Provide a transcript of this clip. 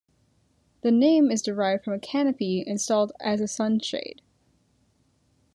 The name is derived from a canopy installed as a sun shade.